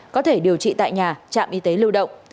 có thể điều trị tại nhà trạm y tế lưu động